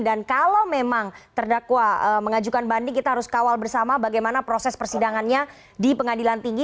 dan kalau memang terdakwa mengajukan banding kita harus kawal bersama bagaimana proses persidangannya di pengadilan tinggi